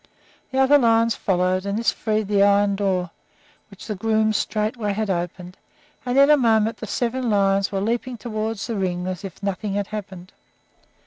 The other lions followed, and this freed the iron door, which the grooms straightway opened, and in a moment the seven lions were leaping toward the ring as if nothing had happened.